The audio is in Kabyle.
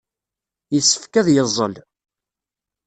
Yessefk ad yeẓẓel.